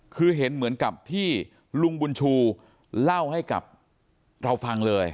คือเห็นเหมือนกับที่ลุงบุญชูเล่าให้กับเราฟังเลย